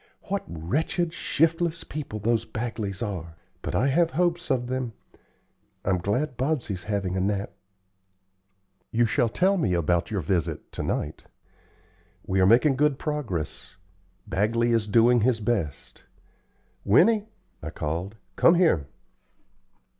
What wretched, shiftless people those Bagleys are! But I have hopes of them. I'm glad Bobsey's having a nap." "You shall tell me about your visit to night. We are making good progress. Bagley is doing his best. Winnie," I called, "come here."